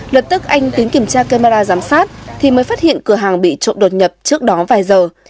lập tức anh đến kiểm tra camera giám sát thì mới phát hiện cửa hàng bị trộm đột nhập trước đó vài giờ